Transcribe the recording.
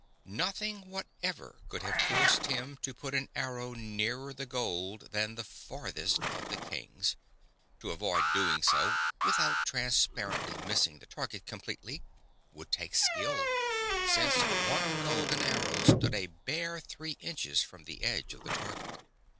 Nothing whatever could have forced him to put an arrow nearer the gold than the farthest of the king's; to avoid doing so without transparently missing the target completely would take skill, since one golden arrow stood a bare three inches from the edge of the target.